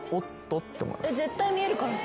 絶対見えるから。